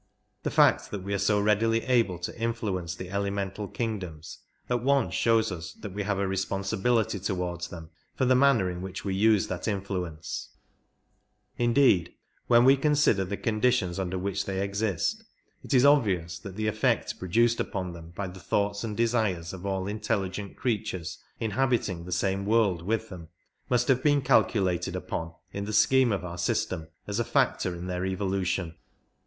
The fact that we are so readily able to influence the elemental kingdoms at once shows us that we have a responsibility towards them for the manner in which we use that influence; indeed, when we consider the conditions under which they exist, it is obvious that the effect produced upon them by the thoughts and desires of all intelligent creatures inhabiting the same world With them must have been calculated upon in the scheme of our system as a factor in their evolution.